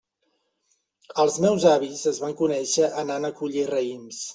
Els meus avis es van conèixer anant a collir raïms.